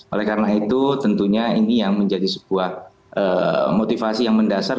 oleh karena itu tentunya ini yang menjadi sebuah motivasi yang mendasar